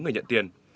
người nhận tiền